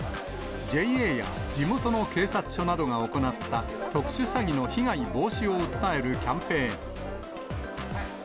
ＪＡや地元の警察署などが行った、特殊詐欺の被害防止を訴えるキャンペーン。